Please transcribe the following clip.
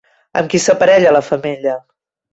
Amb qui s'aparella la femella?